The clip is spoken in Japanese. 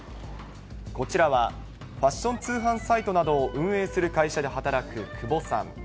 こちらは、ファッション通販サイトなどを運営する会社で働く久保さん。